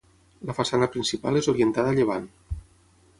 La façana principal és orientada a llevant.